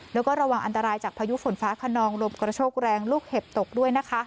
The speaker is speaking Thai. แล้วก็ระวังอันตรายจากพายุฝนฟ้าขนองลมกระโชกแรงลูกเห็บตกด้วยนะคะ